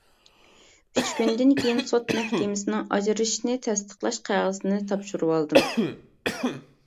ئۈچ كۈندىن كېيىن سوت مەھكىمىسىنىڭ ئاجرىشىشنى تەستىقلاش قەغىزىنى تاپشۇرۇۋالدىم.